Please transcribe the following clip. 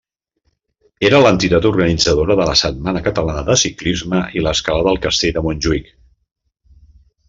Era l'entitat organitzadora de la Setmana Catalana de Ciclisme i l'Escalada al Castell de Montjuïc.